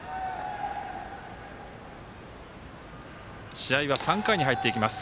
試合は３回に入っていきます。